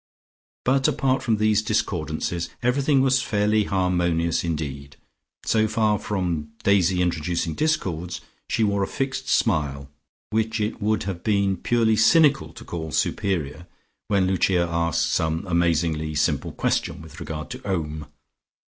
But apart from these discordances, everything was fairly harmonious indeed, so far from Daisy introducing discords, she wore a fixed smile, which it would have been purely cynical to call superior, when Lucia asked some amazingly simple question with regard to Om.